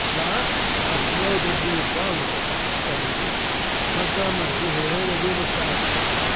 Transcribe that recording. "That's a loaded revolver," said he. "Montgomery here will do the same.